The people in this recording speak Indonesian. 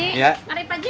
makasih pak ji